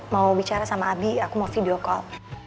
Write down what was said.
mau bicara sama abi aku mau video call